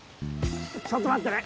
ちょっと待ってね。